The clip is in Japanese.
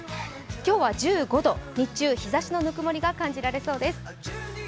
今日は１５度、日中、日ざしのぬくもりが感じられそうです。